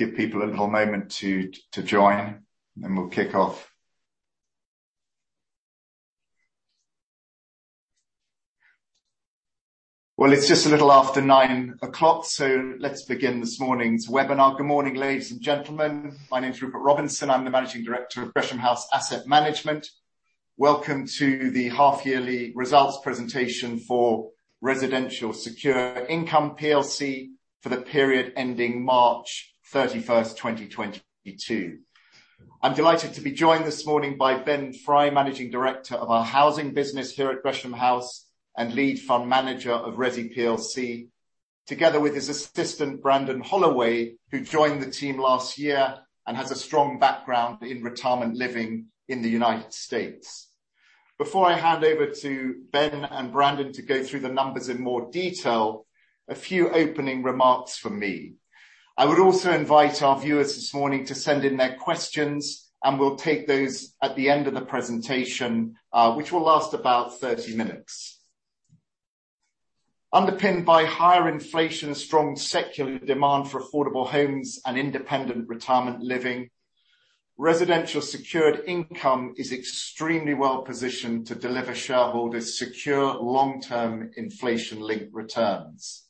Let's give people a little moment to join, then we'll kick off. Well, it's just a little after 9:00 A.M., so let's begin this morning's webinar. Good morning, ladies and gentlemen. My name is Rupert Robinson. I'm the Managing Director of Gresham House Asset Management. Welcome to the half-yearly results presentation for Residential Secure Income plc for the period ending March 31st, 2022. I'm delighted to be joined this morning by Ben Fry, Managing Director of our housing business here at Gresham House, and Lead Fund Manager of ReSI plc together with his assistant, Brandon Holloway, who joined the team last year and has a strong background in retirement living in the United States. Before I hand over to Ben and Brandon to go through the numbers in more detail, a few opening remarks from me. I would also invite our viewers this morning to send in their questions, and we'll take those at the end of the presentation, which will last about 30 minutes. Underpinned by higher inflation and strong secular demand for affordable homes and independent retirement living, Residential Secure Income is extremely well positioned to deliver shareholders secure long-term inflation-linked returns.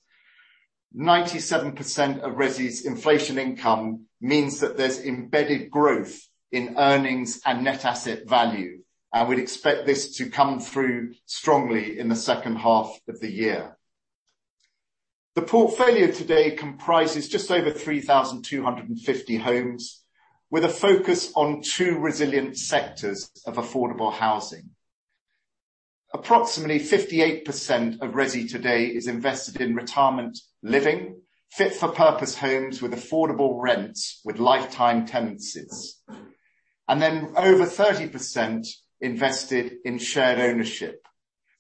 97% of ReSI's inflation income means that there's embedded growth in earnings and net asset value, and we'd expect this to come through strongly in the second half of the year. The portfolio today comprises just over 3,250 homes, with a focus on two resilient sectors of affordable housing. Approximately 58% of ReSI today is invested in retirement living, fit-for-purpose homes with affordable rents with lifetime tenancies. Over 30% invested in shared ownership,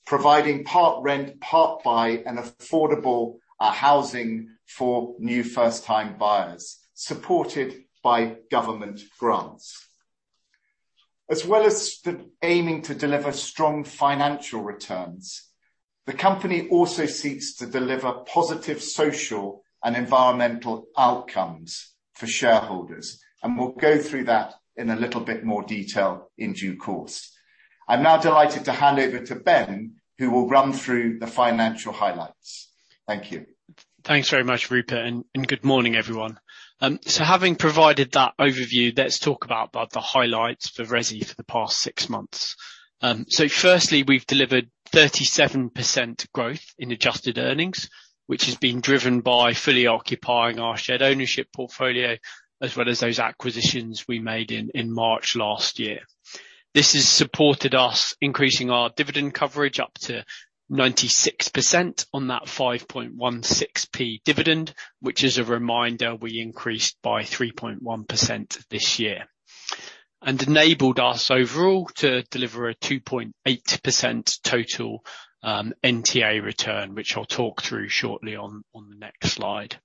providing part rent, part buy and affordable housing for new first-time buyers, supported by government grants. As well as aiming to deliver strong financial returns, the company also seeks to deliver positive social and environmental outcomes for shareholders, and we'll go through that in a little bit more detail in due course. I'm now delighted to hand over to Ben, who will run through the financial highlights. Thank you. Thanks very much, Rupert, and good morning, everyone. Having provided that overview, let's talk about the highlights for Resi for the past six months. Firstly, we've delivered 37% growth in adjusted earnings, which has been driven by fully occupying our shared ownership portfolio, as well as those acquisitions we made in March last year. This has supported us increasing our dividend coverage up to 96% on that 5.16p dividend, which is a reminder we increased by 3.1% this year. Enabled us overall to deliver a 2.8% total NTA return, which I'll talk through shortly on the next slide.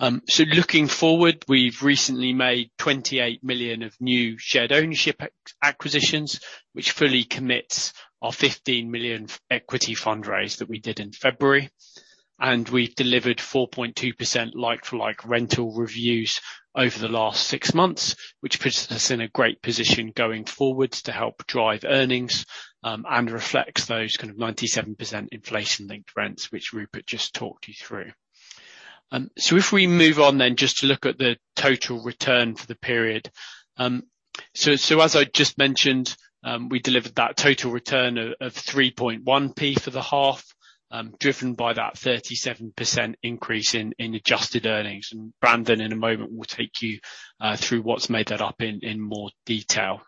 Looking forward, we've recently made 28 million of new shared ownership acquisitions, which fully commits our 15 million equity fundraise that we did in February. We've delivered 4.2% like-for-like rental reviews over the last six months, which puts us in a great position going forward to help drive earnings, and reflects those kind of 97% inflation-linked rents which Rupert just talked you through. If we move on then, just to look at the total return for the period. As I just mentioned, we delivered that total return of 3.1p for the half, driven by that 37% increase in adjusted earnings. Brandon, in a moment, will take you through what's made that up in more detail.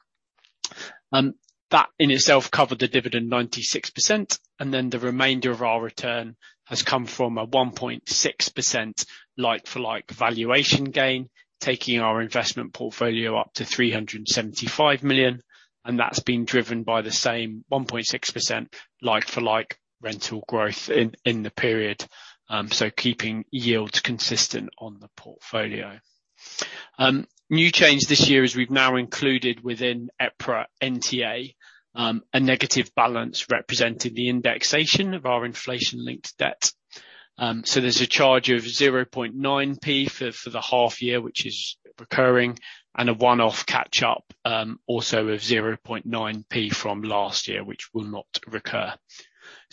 That in itself covered the dividend 96%, and then the remainder of our return has come from a 1.6% like-for-like valuation gain, taking our investment portfolio up to 375 million, and that's been driven by the same 1.6% like-for-like rental growth in the period. Keeping yields consistent on the portfolio. New change this year is we've now included within EPRA NTA, a negative balance representing the indexation of our inflation-linked debt. There's a charge of 0.9p for the half year, which is recurring, and a one-off catch-up, also of 0.9p from last year, which will not recur.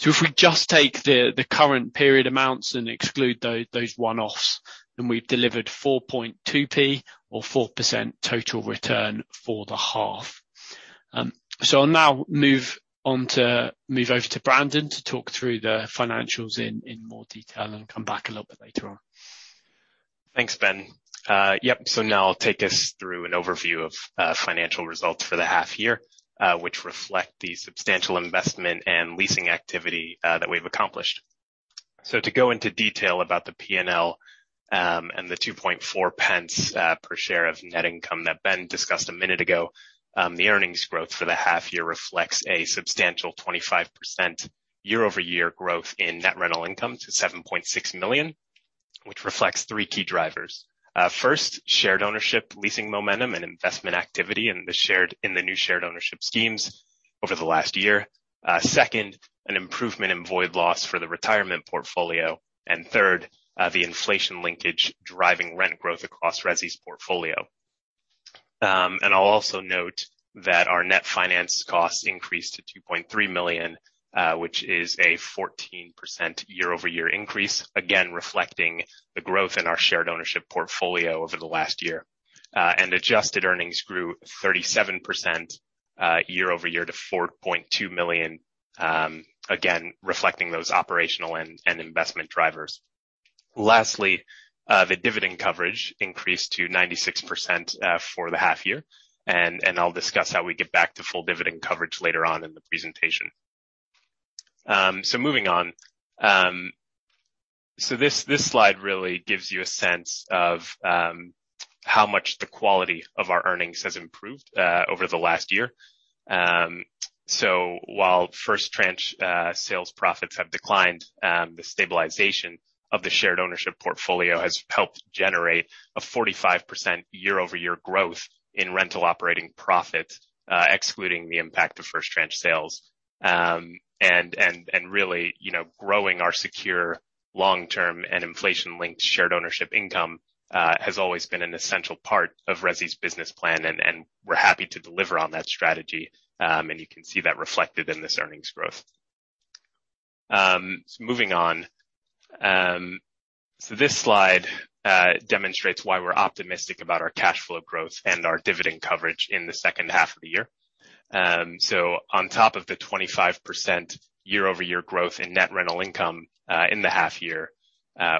If we just take the current period amounts and exclude those one-offs, then we've delivered 4.2p or 4% total return for the half. I'll now move over to Brandon to talk through the financials in more detail and come back a little bit later on. Thanks, Ben. Yep, so now I'll take us through an overview of financial results for the half year, which reflect the substantial investment and leasing activity that we've accomplished. To go into detail about the P&L, and the 0.024 per share of net income that Ben discussed a minute ago, the earnings growth for the half year reflects a substantial 25% year-over-year growth in net rental income to 7.6 million, which reflects 3 key drivers. First, shared ownership leasing momentum and investment activity in the new shared ownership schemes over the last year. Second, an improvement in void loss for the retirement portfolio. Third, the inflation linkage driving rent growth across ReSI's portfolio. I'll also note that our net finance costs increased to 2.3 million, which is a 14% year-over-year increase, again, reflecting the growth in our shared ownership portfolio over the last year. Adjusted earnings grew 37% year-over-year to 4.2 million, again, reflecting those operational and investment drivers. Lastly, the dividend coverage increased to 96% for the half year, and I'll discuss how we get back to full dividend coverage later on in the presentation. Moving on. This slide really gives you a sense of how much the quality of our earnings has improved over the last year. While first tranche sales profits have declined, the stabilization of the shared ownership portfolio has helped generate a 45% year-over-year growth in rental operating profit, excluding the impact of first tranche sales. Really, you know, growing our secure long-term and inflation-linked shared ownership income has always been an essential part of ReSI's business plan, and we're happy to deliver on that strategy, and you can see that reflected in this earnings growth. Moving on. This slide demonstrates why we're optimistic about our cash flow growth and our dividend coverage in the second half of the year. On top of the 25% year-over-year growth in net rental income in the half year,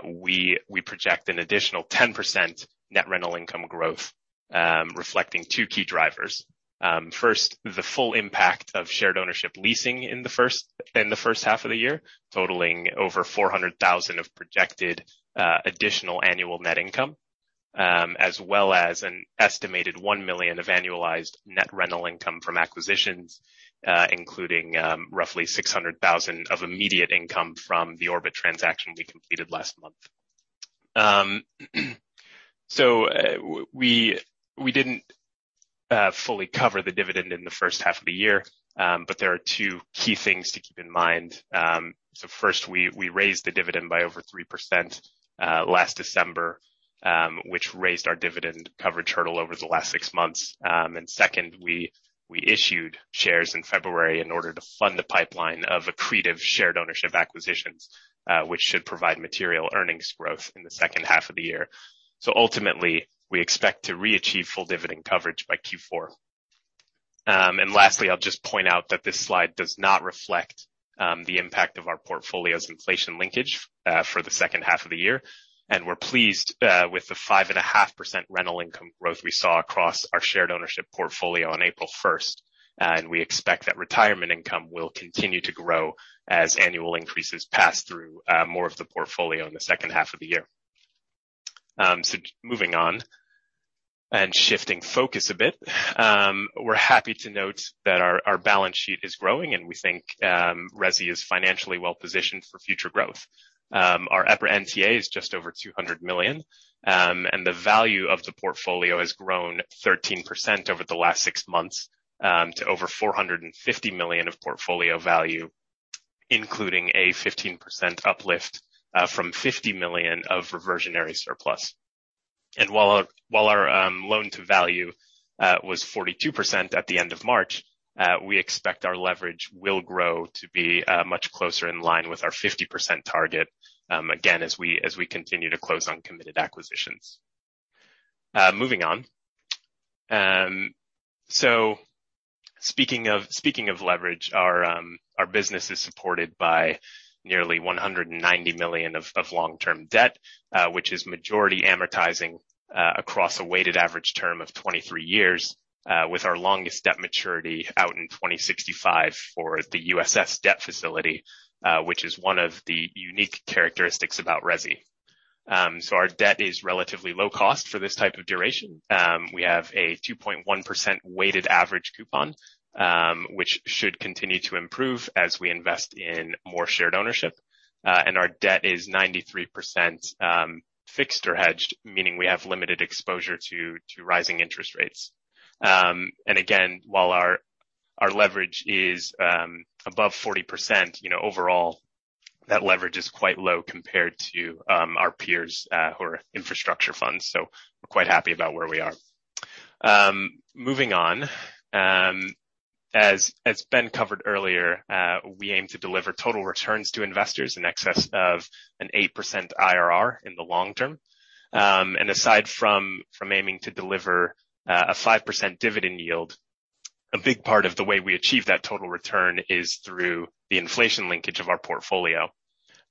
we project an additional 10% net rental income growth, reflecting two key drivers. First, the full impact of shared ownership leasing in the first half of the year, totaling over 400,000 of projected additional annual net income, as well as an estimated 1 million of annualized net rental income from acquisitions, including roughly 600,000 of immediate income from the Orbit transaction we completed last month. We didn't fully cover the dividend in the first half of the year, but there are two key things to keep in mind. First, we raised the dividend by over 3% last December, which raised our dividend coverage hurdle over the last six months. Second, we issued shares in February in order to fund the pipeline of accretive shared ownership acquisitions, which should provide material earnings growth in the second half of the year. Ultimately, we expect to re-achieve full dividend coverage by Q4. Lastly, I'll just point out that this slide does not reflect the impact of our portfolio's inflation linkage for the second half of the year. We're pleased with the 5.5% rental income growth we saw across our shared ownership portfolio on April first. We expect that retirement income will continue to grow as annual increases pass through more of the portfolio in the second half of the year. Moving on and shifting focus a bit. We're happy to note that our balance sheet is growing, and we think ReSI is financially well positioned for future growth. Our EPRA NTA is just over 200 million, and the value of the portfolio has grown 13% over the last six months to over 450 million of portfolio value, including a 15% uplift from 50 million of reversionary surplus. While our loan-to-value was 42% at the end of March, we expect our leverage will grow to be much closer in line with our 50% target, again, as we continue to close on committed acquisitions. Moving on. Speaking of leverage, our business is supported by nearly 190 million of long-term debt, which is majority amortizing across a weighted average term of 23 years, with our longest debt maturity out in 2065 for the USS debt facility, which is one of the unique characteristics about ReSI. Our debt is relatively low cost for this type of duration. We have a 2.1% weighted average coupon, which should continue to improve as we invest in more shared ownership. Our debt is 93% fixed or hedged, meaning we have limited exposure to rising interest rates. Again, while our leverage is above 40%, you know, overall that leverage is quite low compared to our peers, who are infrastructure funds, so we're quite happy about where we are. Moving on. As Ben covered earlier, we aim to deliver total returns to investors in excess of an 8% IRR in the long term. Aside from aiming to deliver a 5% dividend yield, a big part of the way we achieve that total return is through the inflation linkage of our portfolio.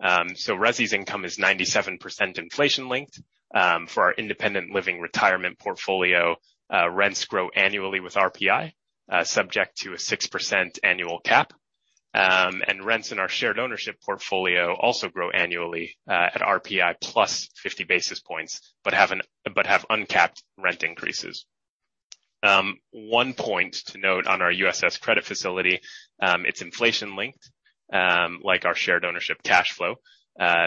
ReSI's income is 97% inflation-linked. For our independent living retirement portfolio, rents grow annually with RPI, subject to a 6% annual cap. Rents in our shared ownership portfolio also grow annually at RPI plus 50 basis points, but have uncapped rent increases. One point to note on our USS credit facility, it's inflation-linked. Like our shared ownership cash flow,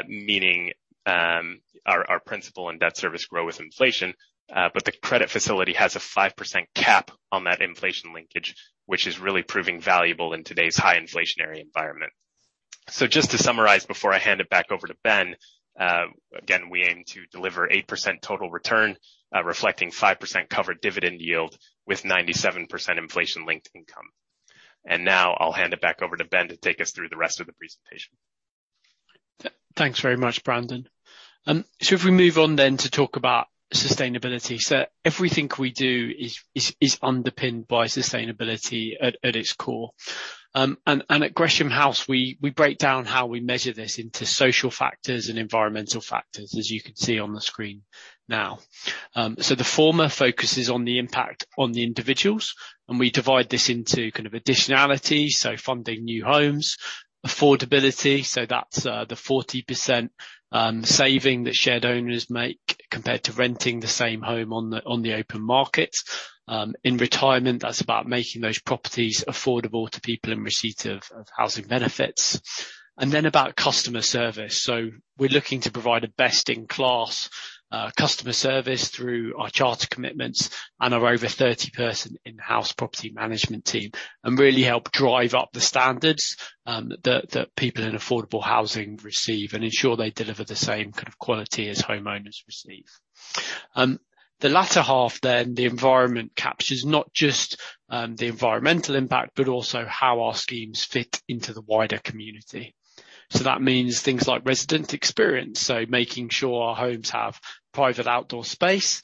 meaning, our principal and debt service grow with inflation, but the credit facility has a 5% cap on that inflation linkage, which is really proving valuable in today's high inflationary environment. Just to summarize before I hand it back over to Ben, again, we aim to deliver 8% total return, reflecting 5% covered dividend yield with 97% inflation-linked income. Now I'll hand it back over to Ben to take us through the rest of the presentation. Thanks very much, Brandon. If we move on then to talk about sustainability. Everything we do is underpinned by sustainability at its core. At Gresham House, we break down how we measure this into social factors and environmental factors, as you can see on the screen now. The former focuses on the impact on the individuals, and we divide this into kind of additionality, so funding new homes, affordability, that's the 40% saving that shared owners make compared to renting the same home on the open market. In retirement, that's about making those properties affordable to people in receipt of housing benefits. Then about customer service. We're looking to provide a best-in-class customer service through our charter commitments and our over 30-person in-house property management team and really help drive up the standards that people in affordable housing receive and ensure they deliver the same kind of quality as homeowners receive. The latter half, the environment captures not just the environmental impact, but also how our schemes fit into the wider community. That means things like resident experience, making sure our homes have private outdoor space,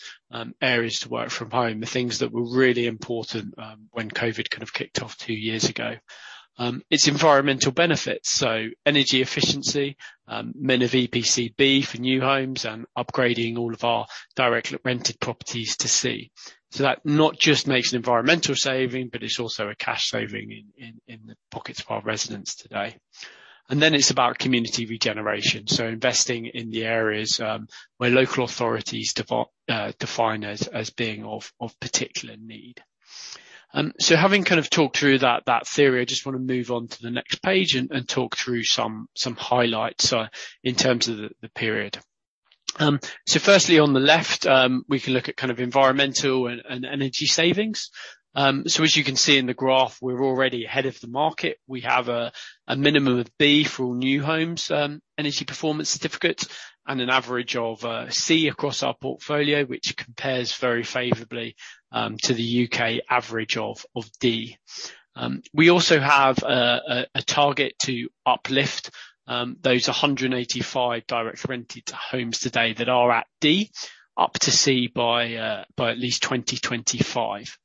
areas to work from home, the things that were really important when COVID kind of kicked off two years ago. It's environmental benefits, so energy efficiency, min of EPC B for new homes and upgrading all of our direct rented properties to C. That not just makes an environmental saving, but it's also a cash saving in the pockets of our residents today. It's about community regeneration, so investing in the areas where local authorities define as being of particular need. Having kind of talked through that theory, I just wanna move on to the next page and talk through some highlights in terms of the period. Firstly, on the left, we can look at kind of environmental and energy savings. As you can see in the graph, we're already ahead of the market. We have a minimum of B for all new homes, energy performance certificates, and an average of C across our portfolio, which compares very favorably to the U.K. average of D. We also have a target to uplift those 185 direct rented homes today that are at D up to C by at least 2025.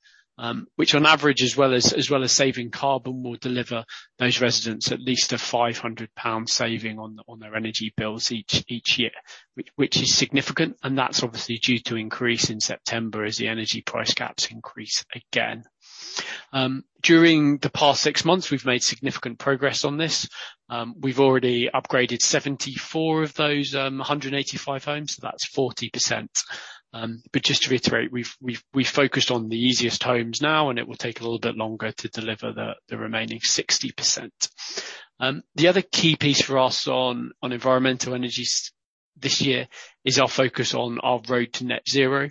Which on average as well as saving carbon will deliver those residents at least a 500 pound saving on their energy bills each year, which is significant, and that's obviously due to increase in September as the energy price caps increase again. During the past six months, we've made significant progress on this. We've already upgraded 74 of those 185 homes. That's 40%. But just to reiterate, we've focused on the easiest homes now, and it will take a little bit longer to deliver the remaining 60%. The other key piece for us on environmental energies this year is our focus on our road to net zero,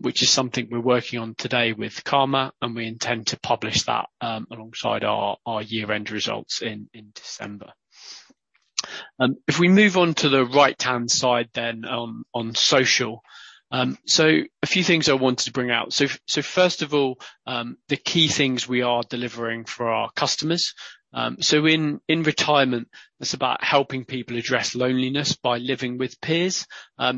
which is something we're working on today with Kamma, and we intend to publish that, alongside our year-end results in December. If we move on to the right-hand side, on social. A few things I wanted to bring out. First of all, the key things we are delivering for our customers. In retirement, it's about helping people address loneliness by living with peers.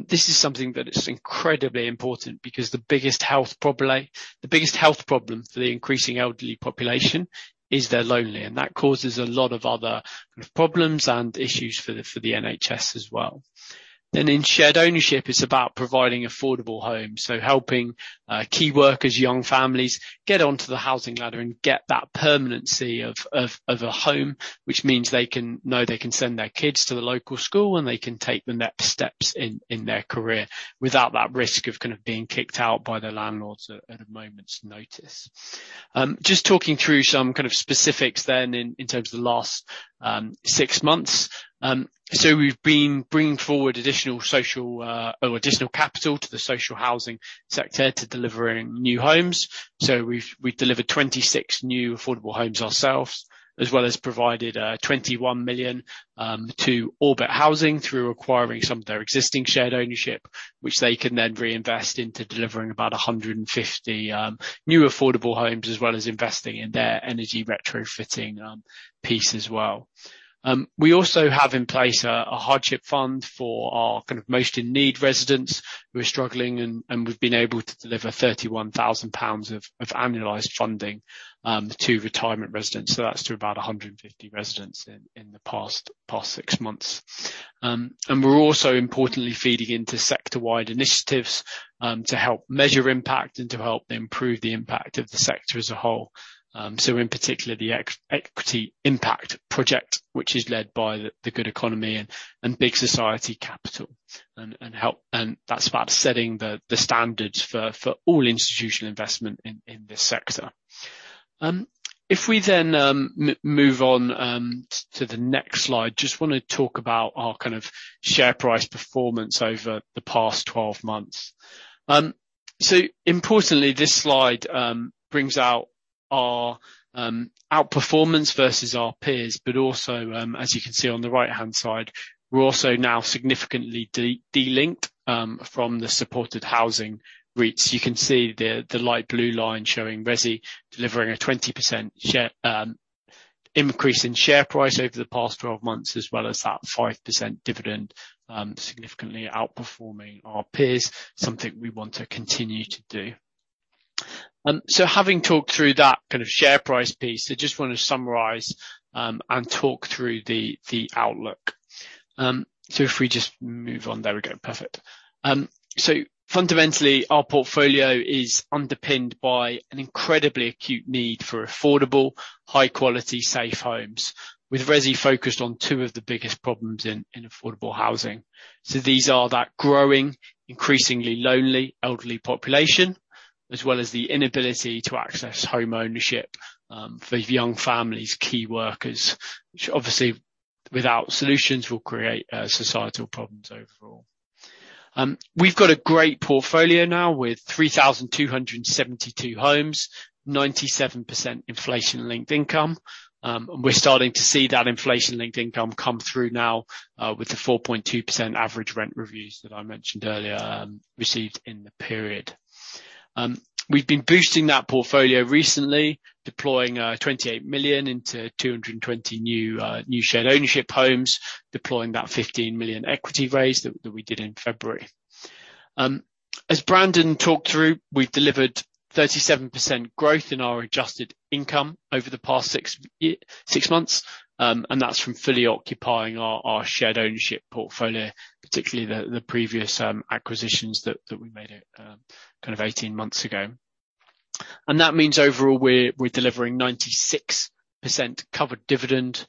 This is something that is incredibly important because the biggest health problem for the increasing elderly population is they're lonely, and that causes a lot of other kind of problems and issues for the NHS as well. In shared ownership, it's about providing affordable homes, so helping key workers, young families get onto the housing ladder and get that permanency of a home, which means they can know they can send their kids to the local school, and they can take the next steps in their career without that risk of kind of being kicked out by their landlords at a moment's notice. Just talking through some kind of specifics then in terms of the last six months. We've been bringing forward additional social or additional capital to the social housing sector to delivering new homes. We've delivered 26 new affordable homes ourselves, as well as provided 21 million to Orbit Housing through acquiring some of their existing shared ownership, which they can then reinvest into delivering about 150 new affordable homes, as well as investing in their energy retrofitting piece as well. We also have in place a hardship fund for our kind of most in need residents who are struggling and we've been able to deliver 31,000 pounds of annualized funding to retirement residents. That's to about 150 residents in the past six months. We're also importantly feeding into sector-wide initiatives to help measure impact and to help improve the impact of the sector as a whole. In particular, the Equity Impact Project, which is led by The Good Economy and Big Society Capital. That's about setting the standards for all institutional investment in this sector. If we move on to the next slide, just wanna talk about our kind of share price performance over the past 12 months. Importantly, this slide brings out our outperformance versus our peers, but also, as you can see on the right-hand side, we're also now significantly delinked from the supported housing REITs. You can see the light blue line showing Resi delivering a 20% share increase in share price over the past 12 months, as well as that 5% dividend, significantly outperforming our peers, something we want to continue to do. Having talked through that kind of share price piece, I just wanna summarize and talk through the outlook. If we just move on. There we go. Perfect. Fundamentally, our portfolio is underpinned by an incredibly acute need for affordable, high-quality, safe homes with Resi focused on two of the biggest problems in affordable housing. These are that growing, increasingly lonely elderly population, as well as the inability to access homeownership for young families, key workers, which obviously, without solutions will create societal problems overall. We've got a great portfolio now with 3,272 homes, 97% inflation-linked income. We're starting to see that inflation-linked income come through now, with the 4.2% average rent reviews that I mentioned earlier, received in the period. We've been boosting that portfolio recently, deploying 28 million into 220 new shared ownership homes, deploying that 15 million equity raise that we did in February. As Brandon talked through, we've delivered 37% growth in our adjusted income over the past 6 months. That's from fully occupying our shared ownership portfolio, particularly the previous acquisitions that we made at kind of 18 months ago. That means overall we're delivering 96% covered dividend.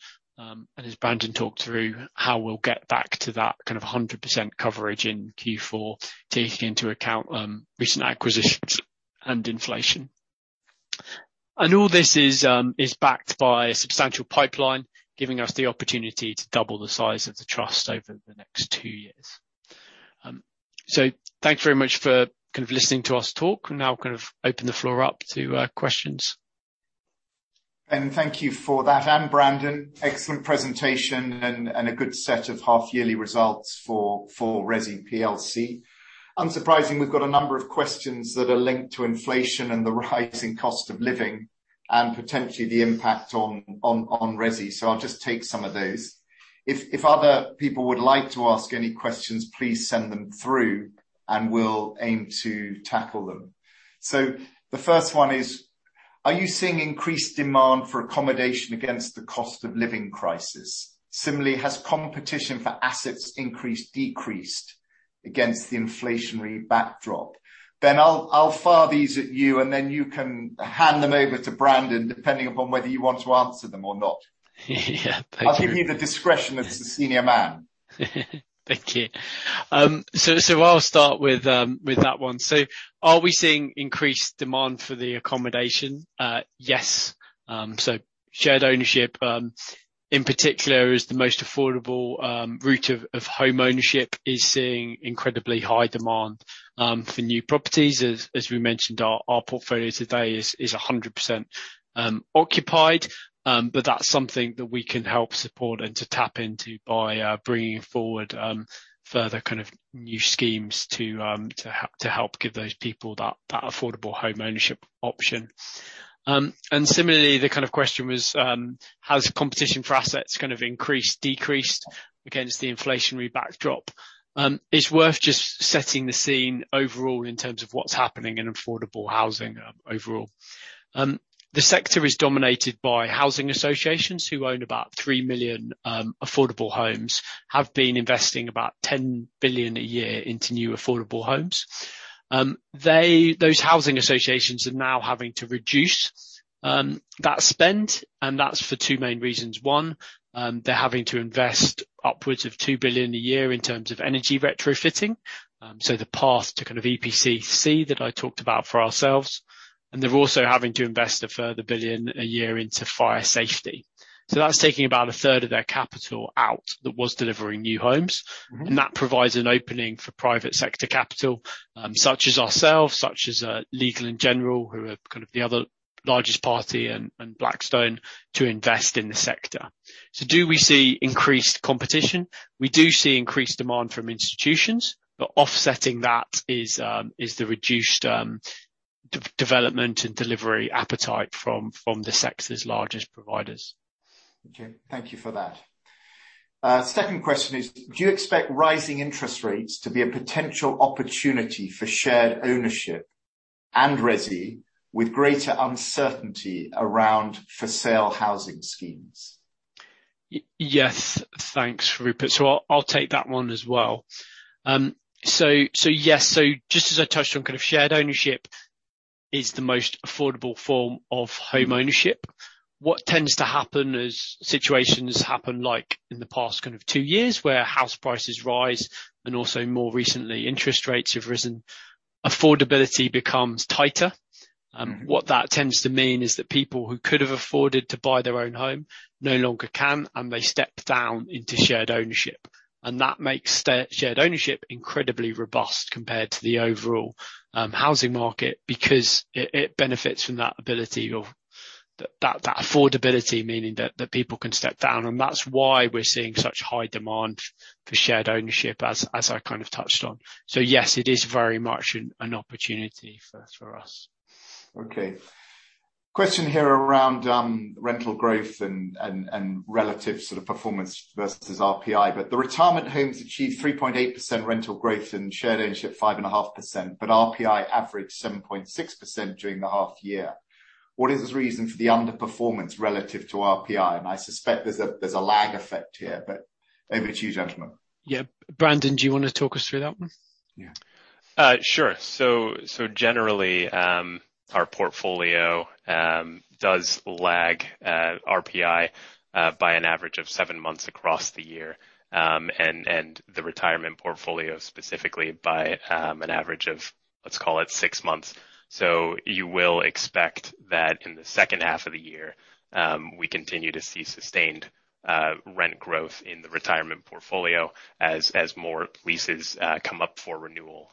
As Brandon talked through how we'll get back to that kind of 100% coverage in Q4, taking into account recent acquisitions and inflation. All this is backed by a substantial pipeline, giving us the opportunity to double the size of the trust over the next two years. Thanks very much for kind of listening to us talk. We'll now kind of open the floor up to questions. Ben, thank you for that. Brandon, excellent presentation and a good set of half-yearly results for ReSI PLC. Unsurprisingly, we've got a number of questions that are linked to inflation and the rising cost of living and potentially the impact on ReSI. I'll just take some of those. If other people would like to ask any questions, please send them through, and we'll aim to tackle them. The first one is. Are you seeing increased demand for accommodation against the cost of living crisis? Similarly, has competition for assets increased, decreased against the inflationary backdrop? Ben, I'll fire these at you, and then you can hand them over to Brandon, depending upon whether you want to answer them or not. Yeah. Thank you. I'll give you the discretion as the senior man. Thank you. I'll start with that one. Are we seeing increased demand for the accommodation? Yes. Shared ownership in particular is the most affordable route of homeownership is seeing incredibly high demand for new properties. As we mentioned, our portfolio today is 100% occupied. That's something that we can help support and to tap into by bringing forward further kind of new schemes to help give those people that affordable homeownership option. Similarly, the kind of question was, has competition for assets kind of increased, decreased against the inflationary backdrop? It's worth just setting the scene overall in terms of what's happening in affordable housing overall. The sector is dominated by housing associations who own about 3 million affordable homes, have been investing about 10 billion a year into new affordable homes. Those housing associations are now having to reduce that spend, and that's for two main reasons. One, they're having to invest upwards of 2 billion a year in terms of energy retrofitting. The path to kind of EPC C that I talked about for ourselves, and they're also having to invest a further 1 billion a year into fire safety. That's taking about a third of their capital out that was delivering new homes. Mm-hmm. That provides an opening for private sector capital, such as ourselves, such as Legal & General, who are kind of the other largest party, and Blackstone, to invest in the sector. Do we see increased competition? We do see increased demand from institutions, but offsetting that is the reduced development and delivery appetite from the sector's largest providers. Okay, thank you for that. Second question is: Do you expect rising interest rates to be a potential opportunity for shared ownership and ReSI with greater uncertainty around for sale housing schemes? Yes. Thanks, Rupert. I'll take that one as well. Yes. Just as I touched on, kind of shared ownership is the most affordable form of homeownership. What tends to happen is situations happen like in the past kind of 2 years, where house prices rise, and also more recently, interest rates have risen. Affordability becomes tighter. Mm-hmm. What that tends to mean is that people who could have afforded to buy their own home no longer can, and they step down into shared ownership. That makes shared ownership incredibly robust compared to the overall housing market because it benefits from that affordability meaning that people can step down, and that's why we're seeing such high demand for shared ownership as I kind of touched on. Yes, it is very much an opportunity for us. Okay. Question here around rental growth and relative sort of performance versus RPI. The retirement homes achieved 3.8% rental growth and shared ownership 5.5%, but RPI averaged 7.6% during the half year. What is the reason for the underperformance relative to RPI? I suspect there's a lag effect here, but maybe to you, gentlemen. Yeah. Brandon, do you wanna talk us through that one? Yeah. Sure. Generally, our portfolio does lag RPI by an average of seven months across the year. The retirement portfolio specifically by an average of, let's call it six months. You will expect that in the second half of the year, we continue to see sustained rent growth in the retirement portfolio as more leases come up for renewal.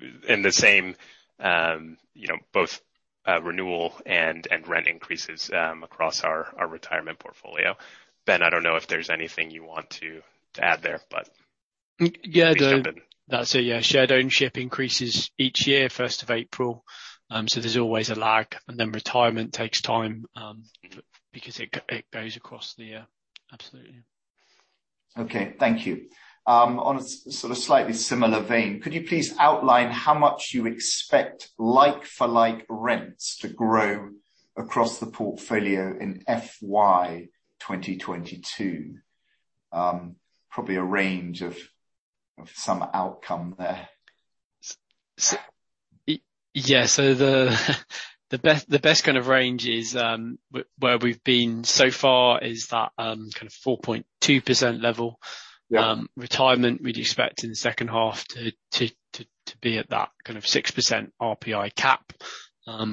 The same, you know, both renewal and rent increases across our retirement portfolio. Ben, I don't know if there's anything you want to add there, but please jump in. Yeah. That's it, yeah. Shared ownership increases each year, first of April, so there's always a lag. Retirement takes time, because it goes across the year. Absolutely. Okay, thank you. On a sort of slightly similar vein, could you please outline how much you expect like-for-like rents to grow across the portfolio in FY 2022? Probably a range of some outcome there. Yeah. The best kind of range is where we've been so far is that kind of 4.2% level. Yeah. Retirement we'd expect in the second half to be at that kind of 6% RPI cap.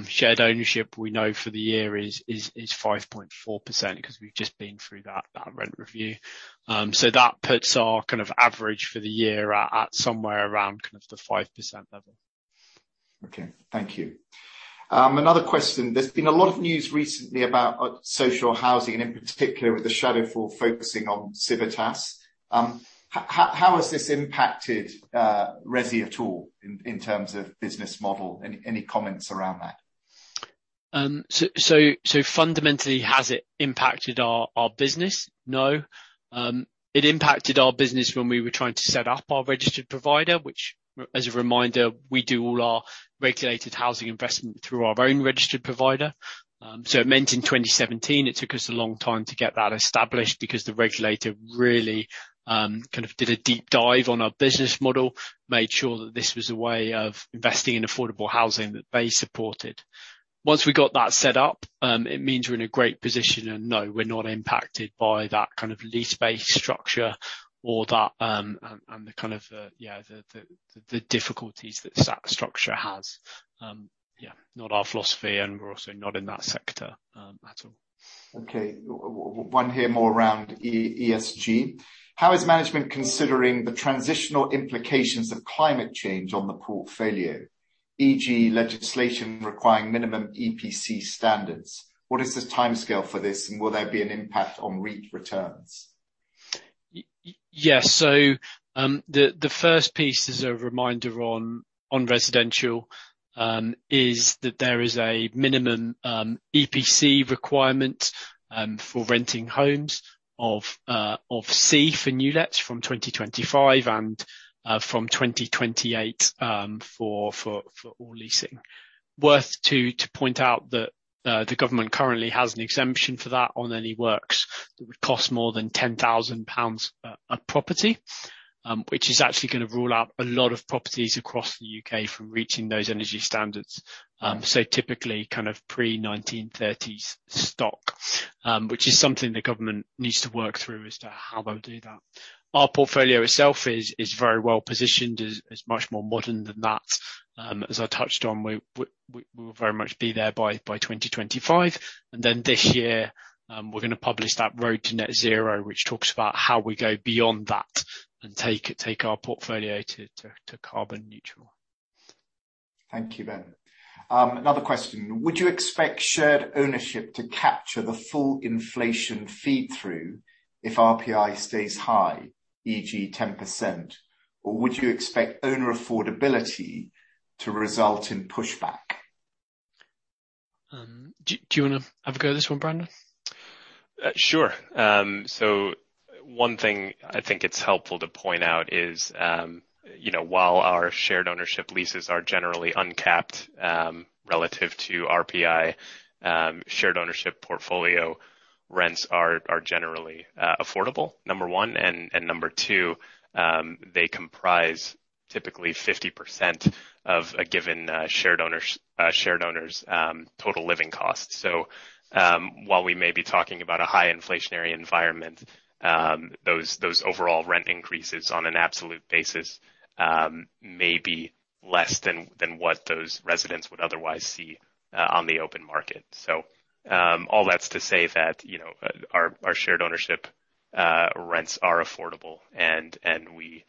Shared ownership we know for the year is 5.4% 'cause we've just been through that rent review. That puts our kind of average for the year at somewhere around kind of the 5% level. Okay, thank you. Another question. There's been a lot of news recently about social housing and in particular with ShadowFall focusing on Civitas. How has this impacted ReSI at all in terms of business model? Any comments around that? Fundamentally, has it impacted our business? No. It impacted our business when we were trying to set up our registered provider, which, as a reminder, we do all our regulated housing investment through our own registered provider. It meant in 2017 it took us a long time to get that established because the regulator really kind of did a deep dive on our business model, made sure that this was a way of investing in affordable housing that they supported. Once we got that set up, it means we're in a great position and no, we're not impacted by that kind of lease-based structure or that and the kind of difficulties that that structure has. Not our philosophy, and we're also not in that sector at all. Okay. One here more around ESG. How is management considering the transitional implications of climate change on the portfolio, e.g. legislation requiring minimum EPC standards? What is the timescale for this, and will there be an impact on REIT returns? Yes. The first piece as a reminder on residential is that there is a minimum EPC requirement for renting homes of C for new lets from 2025 and from 2028 for all leasing. It's worth pointing out that the government currently has an exemption for that on any works that would cost more than 10,000 pounds a property, which is actually gonna rule out a lot of properties across the UK from reaching those energy standards. Typically kind of pre-1930s stock, which is something the government needs to work through as to how they'll do that. Our portfolio itself is very well positioned, much more modern than that. As I touched on, we will very much be there by 2025. This year, we're gonna publish that road to net zero, which talks about how we go beyond that and take our portfolio to carbon neutral. Thank you, Ben. Another question. Would you expect shared ownership to capture the full inflation feed-through if RPI stays high, e.g. 10%? Or would you expect owner affordability to result in pushback? Do you wanna have a go at this one, Brandon? Sure. One thing I think it's helpful to point out is, you know, while our shared ownership leases are generally uncapped, relative to RPI, shared ownership portfolio rents are generally affordable, number one. Number two, they comprise typically 50% of a given shared owner's total living costs. While we may be talking about a high inflationary environment, those overall rent increases on an absolute basis may be less than what those residents would otherwise see on the open market. All that's to say that, you know, our shared ownership rents are affordable and we.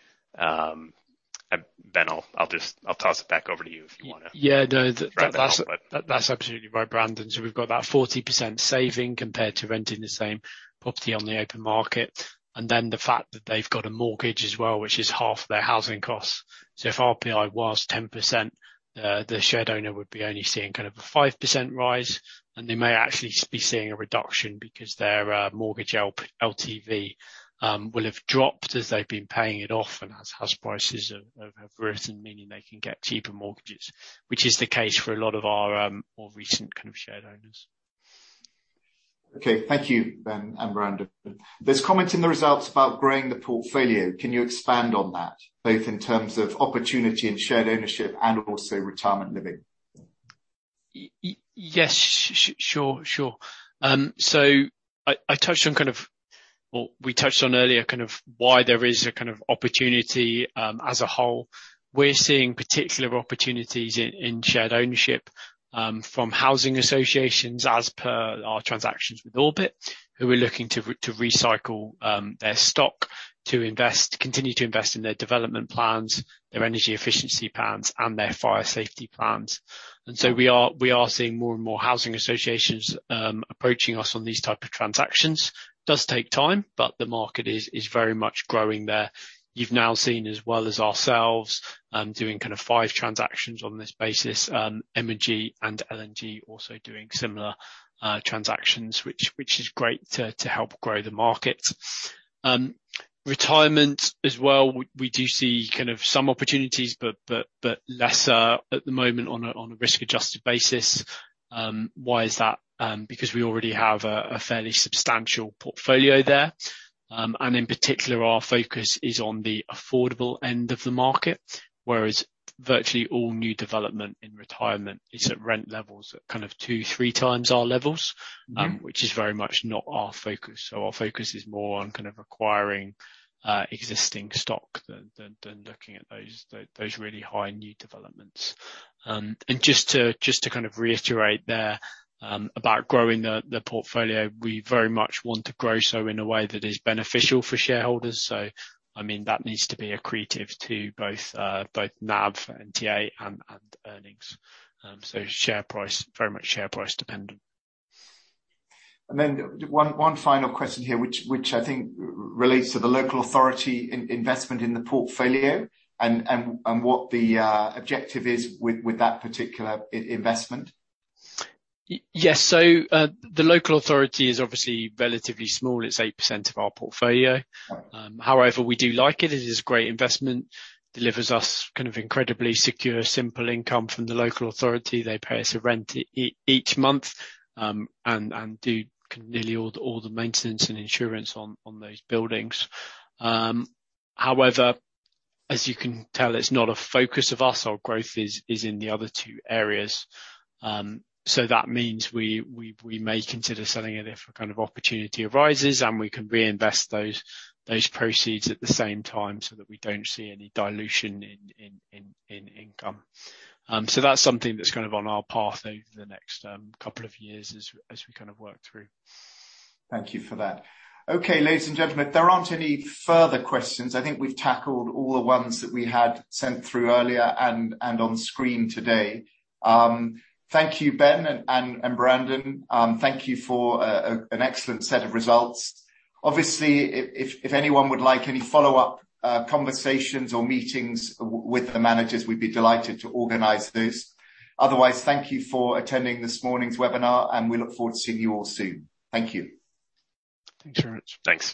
Ben, I'll just toss it back over to you if you wanna. Yeah, no. Try to help but- That's absolutely right, Brandon. We've got that 40% saving compared to renting the same property on the open market, and then the fact that they've got a mortgage as well, which is half their housing costs. If RPI was 10%, the shared owner would be only seeing kind of a 5% rise, and they may actually just be seeing a reduction because their mortgage LTV will have dropped as they've been paying it off and as house prices have risen, meaning they can get cheaper mortgages. Which is the case for a lot of our more recent kind of shared owners. Okay. Thank you, Ben and Brandon. There's comment in the results about growing the portfolio. Can you expand on that, both in terms of opportunity and shared ownership and also retirement living? Yes. Sure. So I touched on kind of. Well, we touched on earlier kind of why there is a kind of opportunity as a whole. We're seeing particular opportunities in shared ownership from housing associations as per our transactions with Orbit, who are looking to recycle their stock to continue to invest in their development plans, their energy efficiency plans, and their fire safety plans. We are seeing more and more housing associations approaching us on these type of transactions. Does take time, but the market is very much growing there. You've now seen as well as ourselves doing kind of five transactions on this basis, M&G and L&G also doing similar transactions which is great to help grow the market. Retirement as well, we do see kind of some opportunities, but lesser at the moment on a risk-adjusted basis. Why is that? Because we already have a fairly substantial portfolio there. In particular, our focus is on the affordable end of the market. Whereas virtually all new development in retirement is at rent levels at kind of 2-3 times our levels. Mm-hmm. Which is very much not our focus. Our focus is more on kind of acquiring existing stock than looking at those really high new developments. Just to kind of reiterate there about growing the portfolio. We very much want to grow so in a way that is beneficial for shareholders. I mean, that needs to be accretive to both NAV, NTA, and earnings. Share price, very much share price dependent. One final question here, which I think relates to the local authority investment in the portfolio and what the objective is with that particular investment. Yes. The local authority is obviously relatively small. It's 8% of our portfolio. Right. However, we do like it. It is great investment. Delivers us kind of incredibly secure, simple income from the local authority. They pay us a rent each month, and do nearly all the maintenance and insurance on those buildings. However, as you can tell, it's not a focus of us. Our growth is in the other two areas. That means we may consider selling it if a kind of opportunity arises, and we can reinvest those proceeds at the same time so that we don't see any dilution in income. That's something that's kind of on our path over the next couple of years as we kind of work through. Thank you for that. Okay, ladies and gentlemen, there aren't any further questions. I think we've tackled all the ones that we had sent through earlier and on screen today. Thank you, Ben and Brandon. Thank you for an excellent set of results. Obviously, if anyone would like any follow-up conversations or meetings with the managers, we'd be delighted to organize those. Otherwise, thank you for attending this morning's webinar, and we look forward to seeing you all soon. Thank you. Thanks very much. Thanks.